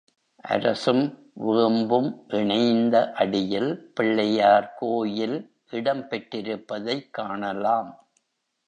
அரசும் வேம் பும் இணைந்த அடியில் பிள்ளையார்கோயில் இடம் பெற்றிருப்பதைக் காணலாம்.